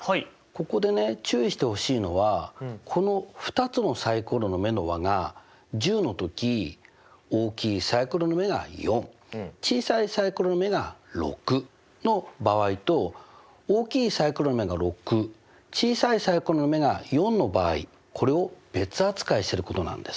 ここでね注意してほしいのはこの２つのサイコロの目の和が１０の時大きいサイコロの目が４小さいサイコロの目が６の場合と大きいサイコロの目が６小さいサイコロの目が４の場合これを別扱いしていることなんです。